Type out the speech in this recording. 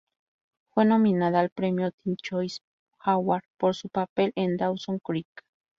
Fue nominada al premio Teen Choice Award por su papel en "Dawson's Creek".